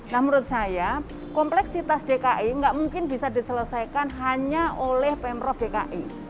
nah menurut saya kompleksitas dki nggak mungkin bisa diselesaikan hanya oleh pemprov dki